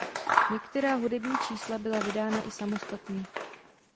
Některá hudební čísla byla vydána i samostatně.